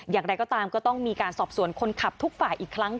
อย่างไรก็ตามก็ต้องมีการสอบสวนคนขับทุกฝ่ายอีกครั้ง